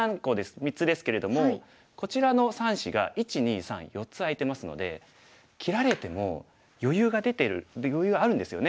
３つですけれどもこちらの３子が１２３４つ空いてますので切られても余裕が出てる余裕があるんですよね。